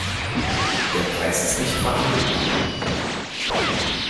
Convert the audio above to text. Der Preis ist nicht verhandelbar.